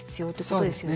そうですね。